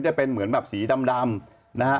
จะเป็นเหมือนแบบสีดำนะฮะ